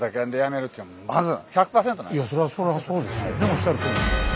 おっしゃるとおり。